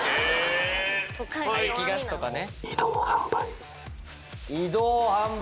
排気ガスとかね。